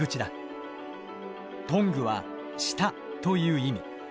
トングは舌という意味。